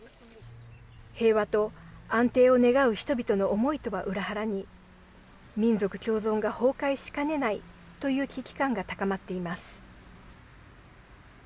平和と安定を願う人々の思いとは裏腹に民族共存が崩壊しかねないという危機感が高まっています。